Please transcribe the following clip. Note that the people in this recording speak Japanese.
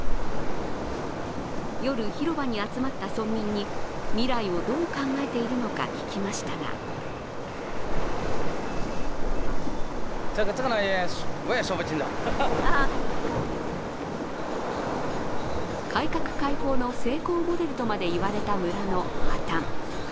夜、広場に集まった村民に未来をどう考えているのか聞きましたが改革開放の成功モデルとまでいわれた村の破綻。